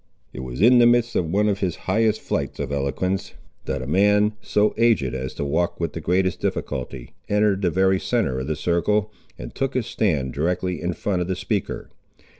It was in the midst of one of his highest flights of eloquence, that a man, so aged as to walk with the greatest difficulty, entered the very centre of the circle, and took his stand directly in front of the speaker.